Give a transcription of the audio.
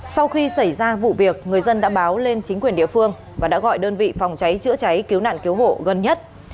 sau khi xảy ra vụ việc người dân đã báo lên chính quyền địa phương và đã gọi đơn vị phòng cháy chữa cháy cứu nạn cứu hộ gần nhất